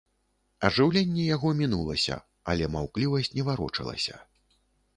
Ажыўленне яго мінулася, але маўклівасць не варочалася.